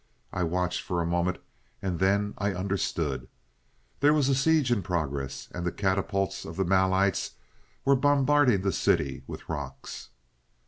I watched for a moment and then I understood. There was a siege in progress, and the catapults of the Malites were bombarding the city with rocks.